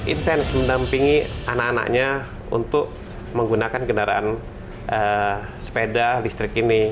intens mendampingi anak anaknya untuk menggunakan kendaraan sepeda listrik ini